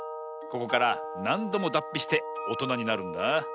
ここからなんどもだっぴしておとなになるんだ。